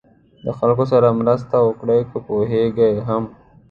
د خلکو سره مرسته وکړه که پوهېږئ هم.